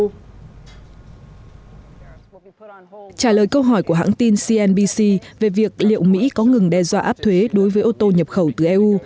trả lời câu hỏi của hãng tin cnbc về việc liệu mỹ có ngừng đe dọa áp thuế đối với ô tô nhập khẩu từ eu